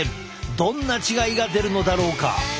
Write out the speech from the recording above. どんな違いが出るのだろうか。